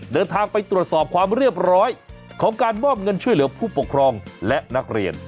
เดินทางไปตรวจสอบความเรียบร้อยของการมอบเงินช่วยเหลือผู้ปกครองและนักเรียน